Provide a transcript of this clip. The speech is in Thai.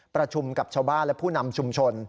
ประชุมกับชาวบ้านและผู้นำชุมชน